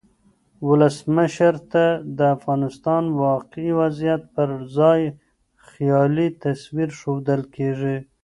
ولسمشر ته د افغانستان واقعي وضعیت پرځای خیالي تصویر ښودل کیږي.